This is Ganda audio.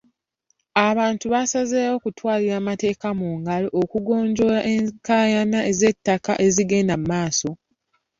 Abantu baasazeewo kutwalira mateeka mu ngalo okugonjoola enkaayana z'ettaka ezigenda mu maaso.